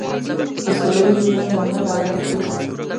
د سوله ییز ژوند زمینه برابره کړي.